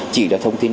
chỉ là thông tin